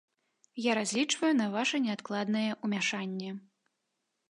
Я разлічваю на ваша неадкладнае ўмяшанне.